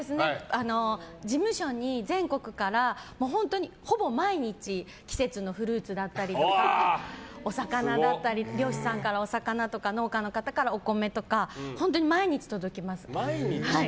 事務所に全国から、ほぼ毎日季節のフルーツだったりとか漁師さんからお魚だったり農家の方からお米とか本当に毎日届きます。